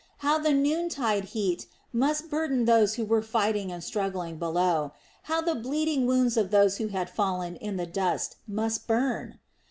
How the noon tide heat must burden those who were fighting and struggling below; how the bleeding wounds of those who had fallen in the dust must burn!